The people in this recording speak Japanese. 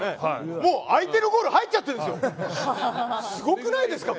相手のゴールに入っちゃってるんですよ。